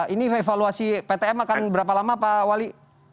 ini evaluasi ptm akan berapa lama pak wali